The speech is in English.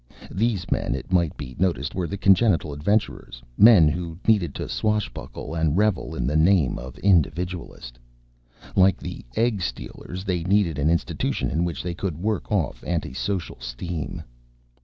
These men, it might be noticed, were the congenital adventurers, men who needed to swashbuckle and revel in the name of individualist. Like the egg stealers, they needed an institution in which they could work off anti social steam.